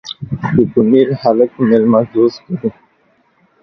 ده بونیر هلک میلمه دوست دي.